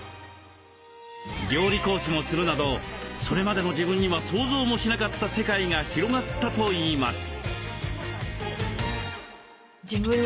料理講師もするなどそれまでの自分には想像もしなかった世界が広がったといいます。